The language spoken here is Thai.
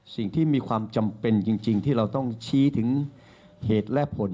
สิ่งที่มีความจำเป็นจริงที่เราต้องชี้ถึงเหตุและผล